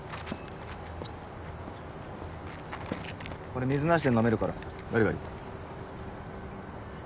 これ水なしで飲めるから。